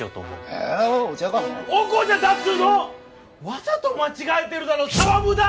わざと間違えてるだろ澤無駄！